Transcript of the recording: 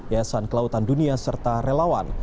yayasan kelautan dunia serta relawan